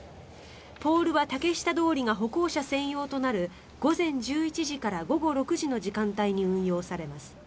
ポールは竹下通りが歩行者専用となる午前１１時から午後６時の時間帯に運用されます。